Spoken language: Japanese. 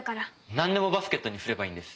なんでもバスケットにすればいいんです。